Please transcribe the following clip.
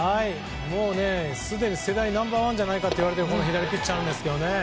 もう、すでに世代ナンバー１じゃないかといわれているこの左ピッチャーなんですけどね。